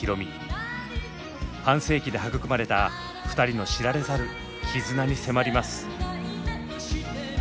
半世紀で育まれた２人の知られざる絆に迫ります。